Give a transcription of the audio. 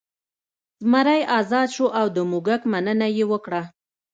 زمری ازاد شو او د موږک مننه یې وکړه.